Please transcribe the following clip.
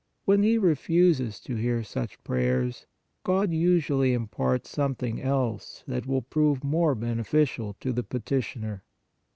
When He refuses to hear such prayers, God usually imparts some thing else that will prove more beneficial to the petitioner.